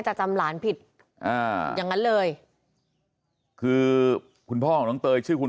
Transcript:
จะจำหลานผิดอ่าอย่างนั้นเลยคือคุณพ่อของน้องเตยชื่อคุณ